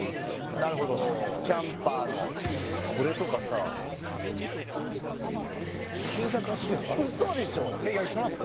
なるほどキャンパーのこれとかさ９８０円とかウソでしょいや知らないっすよ